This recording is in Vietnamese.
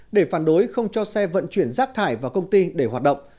để phản đối không cho xe vận chuyển rác thải vào công ty để hoạt động